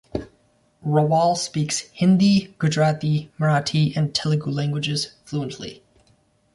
Rawal speaks Hindi, Gujarati, Marathi and Telugu languages fluently.